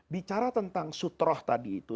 bicara tentang sutroh tadi itu